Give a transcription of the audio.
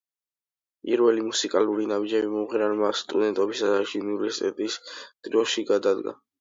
პირველი მუსიკალური ნაბიჯები მომღერალმა სტუდენტობის ასაკში, უნივერსიტეტის ტრიოში, გადადგა.